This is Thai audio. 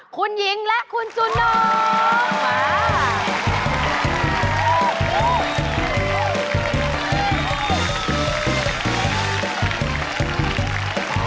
คุณหญิงและคุณจุนโน้ม